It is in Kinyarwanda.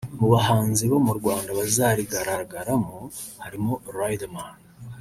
Mu bahanzi bo mu Rwanda bazarigaragaramo harimo Riderman